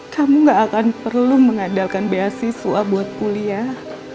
kamu gak akan perlu mengandalkan beasiswa buat kuliah